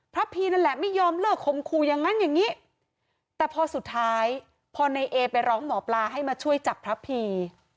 พีนั่นแหละไม่ยอมเลิกคมคู่อย่างนั้นอย่างนี้แต่พอสุดท้ายพอในเอไปร้องหมอปลาให้มาช่วยจับพระพี